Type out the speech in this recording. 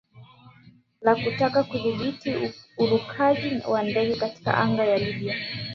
la kutaka kudhibiti urukaji wa ndege katika anga ya libya